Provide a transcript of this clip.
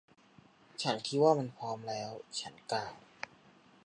ฉันคิดว่ามันพร้อมแล้ว. ฉันกล่าว